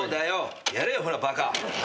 やれよほらバカ。